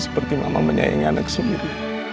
seperti mama menyaingi anak sendiri